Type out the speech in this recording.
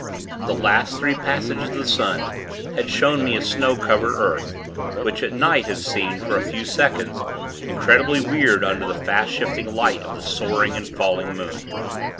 The last three passages of the sun had shown me a snow covered earth, which, at night, had seemed, for a few seconds, incredibly weird under the fast shifting light of the soaring and falling moon.